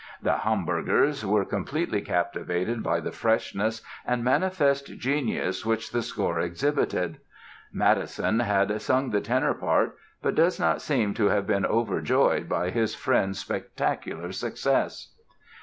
The Hamburgers were completely captivated by the freshness and manifest genius which the score exhibited. Mattheson had sung the tenor part but does not seem to have been overjoyed by his friend's spectacular success.